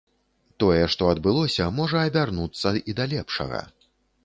Тое, што адбылося, можа абярнуцца і да лепшага.